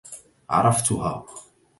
عرفتُها.